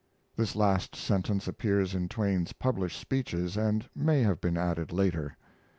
[this last sentence appears in Twain's published speeches and may have been added later.